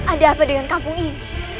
ada apa dengan kampung ini